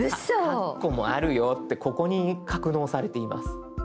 カッコもあるよってここに格納されています。